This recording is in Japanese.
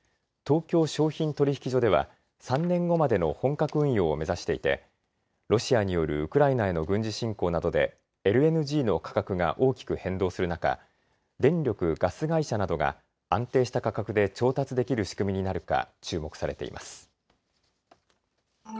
東京商品取引所では３年後までの本格運用を目指していてロシアによるウクライナへの軍事侵攻などでＬＮＧの価格が大きく変動する中、電力・ガス会社などが安定した価格で調達できる仕組みになるか注目されています。